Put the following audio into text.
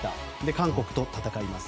韓国と戦います。